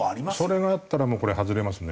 それがあったらもうこれ外れますね